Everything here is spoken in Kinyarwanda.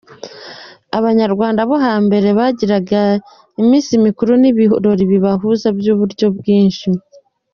Abanyarwanda bo hambere bagiraga iminsi mikuru n’ibirori bibahuza by’uburyo bwinshi.